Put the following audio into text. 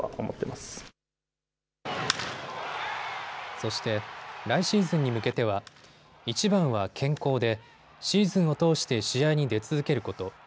そして来シーズンに向けてはいちばんは健康で、シーズンを通して試合に出続けること。